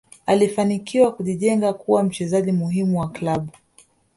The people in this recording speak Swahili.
alifanikiwa kujijenga kuwa mchezaji muhimu wa klabu